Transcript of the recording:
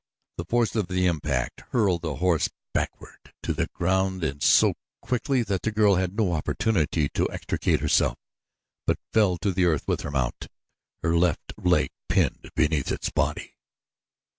The force of the impact hurled the horse backward to the ground and so quickly that the girl had no opportunity to extricate herself; but fell to the earth with her mount, her left leg pinned beneath its body.